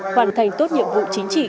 hoàn thành tốt nhiệm vụ chính trị